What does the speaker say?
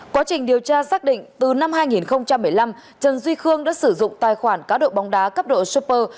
quá trình điều tra xác định từ năm hai nghìn một mươi năm trần duy khương đã sử dụng tài khoản cá độ bóng đá cấp độ super